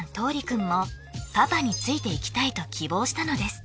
君も「パパについていきたい」と希望したのです